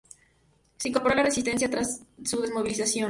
Se incorporó a la resistencia tras su desmovilización.